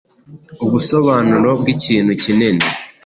ubosobanuro bw’”ikintu kinini”